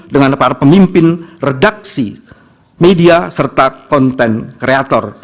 dengan para pemimpin redaksi media serta konten kreator